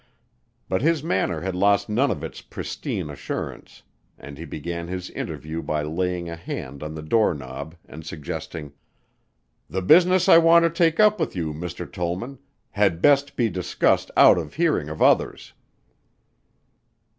But his manner had lost none of its pristine assurance and he began his interview by laying a hand on the door knob and suggesting: "The business I want to take up with you, Mr. Tollman, had best be discussed out of hearing of others."